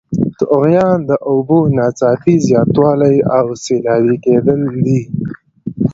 طغیان د اوبو ناڅاپي زیاتوالی او سیلابي کیدل دي.